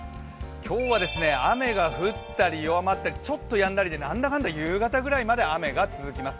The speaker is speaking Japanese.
今日は雨が降ったり弱まったりちょっとやんだりで、なんだかんだで夕方まで雨が続きます。